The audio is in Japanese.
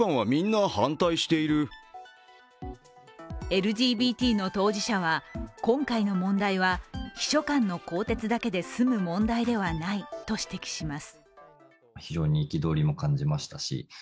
ＬＧＢＴの当事者は今回の問題は秘書官の更迭だけで済む問題ではないと指摘します。